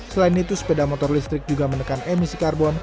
selain itu sepeda motor listrik juga menekan emisi karbon